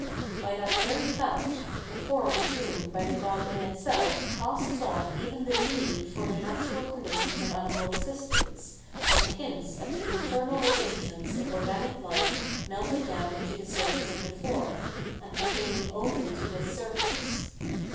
By that very fact, the form assumed by the god in itself casts off even the need for the natural conditions of animal existence, and hints at the internal arrangements of organic hfe melted down into the surface of the form, and pertaiuing only to this surface.